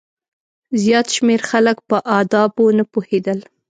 زیات شمېر خلک په آدابو نه پوهېدل.